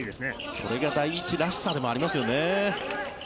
それが第一らしさでもありますよね。